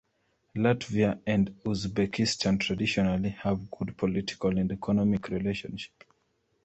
Latvia and Uzbekistan traditionally have good political and economic relationship.